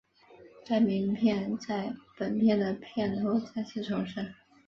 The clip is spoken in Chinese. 该名言在本片的片头再次重申。